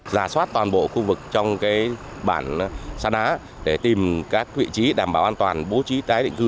giả soát toàn bộ khu vực trong bản sa ná để tìm các vị trí đảm bảo an toàn bố trí tái định cư